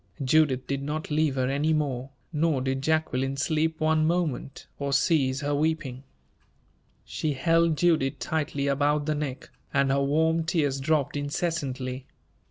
Judith did not leave her any more, nor did Jacqueline sleep one moment, or cease her weeping. She held Judith tightly about the neck, and her warm tears dropped incessantly.